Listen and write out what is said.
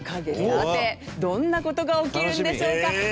さて、どんな事が起きるんでしょうか？